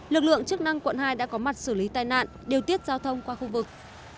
lực lượng chức năng quận hai đã có mặt xử lý tai nạn điều tiết giao thông qua khu vực